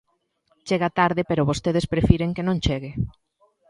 Chega tarde pero vostedes prefiren que non chegue.